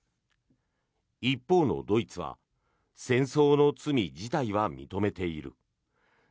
一方のドイツは戦争の罪自体は認めている。